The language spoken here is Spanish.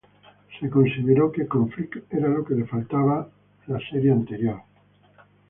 Se consideró que "Conflict" era lo que le faltaba la serie anterior.